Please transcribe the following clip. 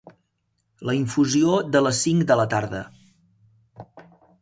La infusió de les cinc de la tarda.